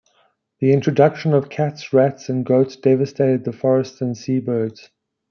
The introduction of cats, rats, and goats devastated the forests and seabirds.